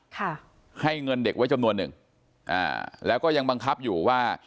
ค่ะให้เงินเด็กไว้จำนวนหนึ่งอ่าแล้วก็ยังบังคับอยู่ว่า